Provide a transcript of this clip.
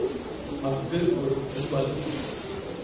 அஃது ஒரு கும்பல்!